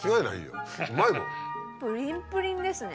プリンプリンですね